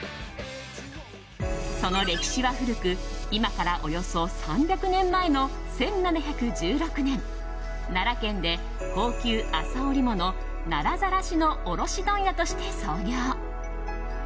その歴史は古く今からおよそ３００年前の１７１６年奈良県で高級麻織物、奈良晒の卸問屋として創業。